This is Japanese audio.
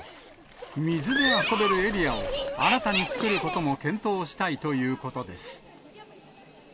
水で遊べるエリアを新たに作ることも検討したいということです。